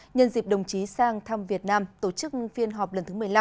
nhân dịp đồng chí sang thăm việt nam tổ chức phiên họp lần thứ một mươi năm